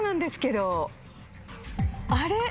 あれ？